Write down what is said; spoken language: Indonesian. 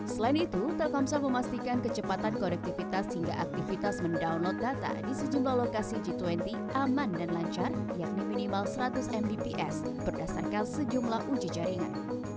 selain itu telkomsel memastikan kecepatan konektivitas hingga aktivitas mendownload data di sejumlah lokasi g dua puluh aman dan lancar yakni minimal seratus mbps berdasarkan sejumlah uji jaringan